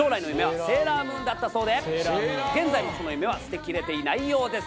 現在もその夢は捨てきれていないようです。